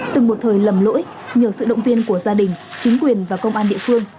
từng một thời lầm lỗi nhờ sự động viên của gia đình chính quyền và công an địa phương